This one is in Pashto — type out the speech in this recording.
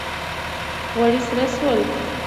غوړي سره سول